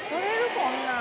こんなん。